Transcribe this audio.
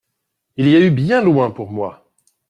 Il y a eu bien loin pour moi.